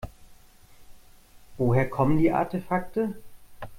Woher kommen die Artefakte?